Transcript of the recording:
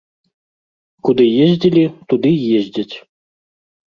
Куды ездзілі, туды і ездзяць.